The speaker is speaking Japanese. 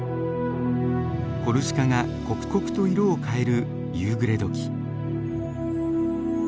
コルシカが刻々と色を変える夕暮れ時。